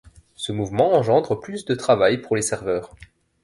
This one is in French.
Ce mouvement engendre plus de travail pour les serveurs.